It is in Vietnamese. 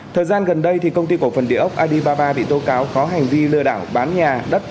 thời gian gần đây thì công ty cổ phần địa ốc adibaba bị tố cáo có hành vi lừa đảo bán nhà đất